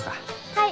はい！